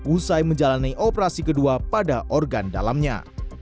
usai menjalani operasi kedua pada organ dalamnya